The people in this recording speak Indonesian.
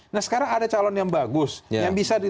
nah sekarang ada calon yang bagus